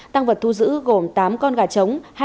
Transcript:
tăng vật thu giữ gồm tám con gà trống